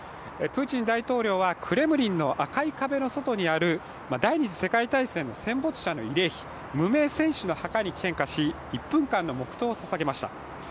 プーチン大統領はクレムリンの赤い壁の外にある第二次世界大戦の戦没者の慰霊碑、無名戦士の墓に献花をし１分間の黙とうを捧げました。